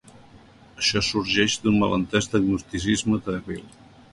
Això sorgeix d'un malentès d'agnosticisme dèbil.